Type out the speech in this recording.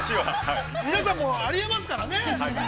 最終話◆皆さんもあり得ますからね。